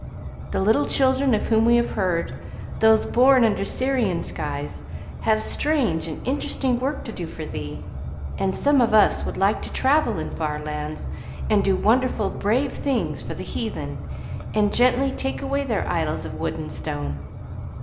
The little children of whom we have heard, those born under Syrian skies, have strange and interesting work to do for Thee, and some of us would like to travel in far lands and do wonderful brave things for the heathen and gently take away their idols of wood and stone.